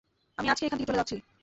আমি আজকেই এখান থেকে চলে যাচ্ছি।